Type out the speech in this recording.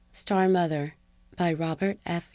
net STAR MOTHER By ROBERT F.